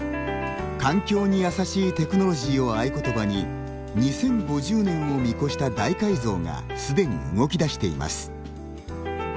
「環境に優しいテクノロジー」を合言葉に２０５０年を見越した大改造がすでに動き出しています。